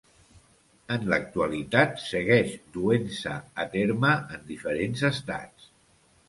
En l'actualitat segueix duent-se a terme en diferents estats.